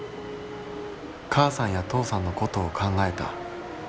「母さんや父さんのことを考えた。